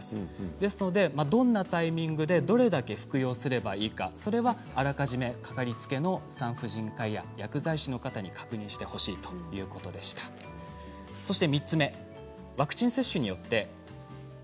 ですのでどんなタイミングでどれだけ服用すればいいかそれは、あらかじめ掛かりつけの産婦人科医や薬剤師の方に確認してほしいということでした。